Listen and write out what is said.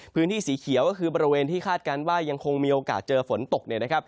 พื้นที่สีเขียวก็คือบริเวณที่คาดการณ์ว่ายังคงมีโอกาสเจอฝนตกเนี่ยนะครับ